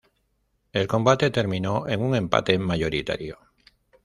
El combate terminó en un empate mayoritario.